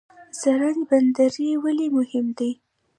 زرنج بندر ولې مهم دی؟